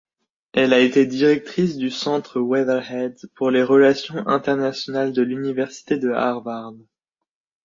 Elle a été directrice du Centre Weatherhead pour les relations internationales de l'Université Harvard.